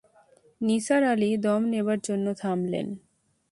নিসার আলি দম নেবার জন্যে থামলেন।